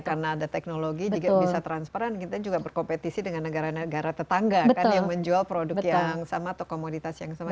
karena ada teknologi juga bisa transparan kita juga berkompetisi dengan negara negara tetangga kan yang menjual produk yang sama atau komoditas yang sama